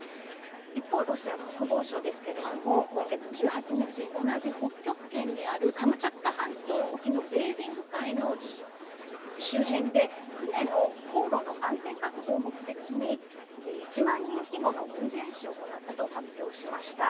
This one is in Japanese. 一方、ロシア国防省ですけれども、今月１８日、同じ北極圏にあるカムチャツカ半島沖のベーリング海の周辺で、船の航路の安全確保を目的に、１万人規模の軍事演習を行ったと発表しました。